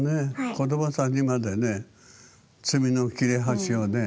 子どもさんにまでね罪の切れ端をね